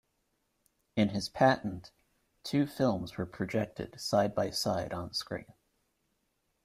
In his patent, two films were projected side by side on screen.